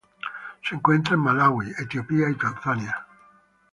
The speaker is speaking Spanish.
Se encuentra en Malaui, Etiopía y Tanzania.